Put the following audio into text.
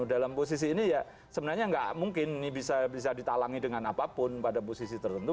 dalam posisi ini ya sebenarnya nggak mungkin ini bisa ditalangi dengan apapun pada posisi tertentu